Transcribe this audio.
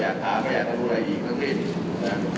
หรืออาจจะไปตัดใช้ในการจะช่วยดูแลรักษาของเทพบร้อย